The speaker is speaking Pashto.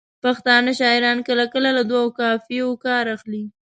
پښتانه شاعران کله کله له دوو قافیو کار اخلي.